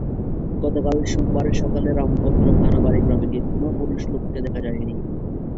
গতকাল সোমবার সকালে রামভদ্র খানাবাড়ি গ্রামে গিয়ে কোনো পুরুষ লোককে দেখা যায়নি।